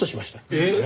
えっ？